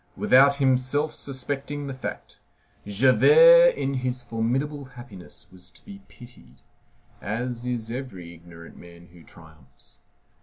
Without himself suspecting the fact, Javert in his formidable happiness was to be pitied, as is every ignorant man who triumphs.